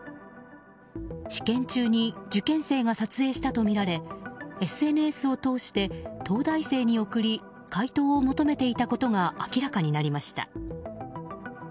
試験中に受験生が撮影したとみられＳＮＳを通して、東大生に送り解答を求めていたことが明らかになりました。